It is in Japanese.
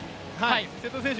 瀬戸選手